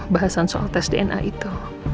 bahasan soal tes dna itu